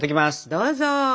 どうぞ。